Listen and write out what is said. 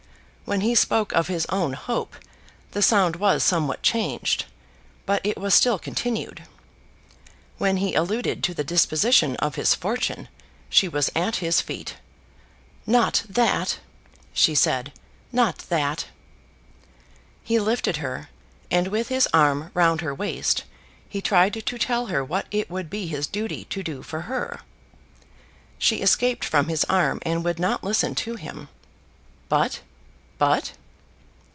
When he spoke of his own hope the sound was somewhat changed, but it was still continued. When he alluded to the disposition of his fortune, she was at his feet. "Not that," she said, "not that!" He lifted her, and with his arm round her waist he tried to tell her what it would be his duty to do for her. She escaped from his arm and would not listen to him. But, but